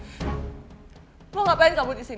insya allah kami semua kuat yang ada disini